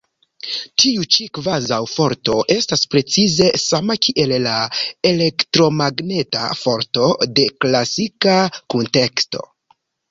Tiu ĉi kvazaŭ-forto estas precize sama kiel la elektromagneta forto de klasika kunteksto.